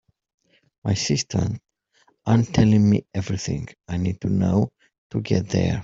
My sisters aren’t telling me everything I need to know to get there.